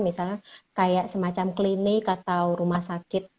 misalnya kayak semacam klinik atau rumah sakit